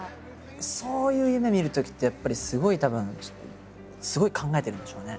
そういう夢見るときってやっぱりすごいたぶんすごい考えてるんでしょうね。